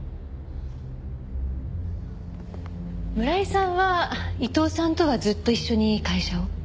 村井さんは伊藤さんとはずっと一緒に会社を？